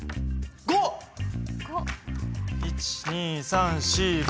５！１２３４５。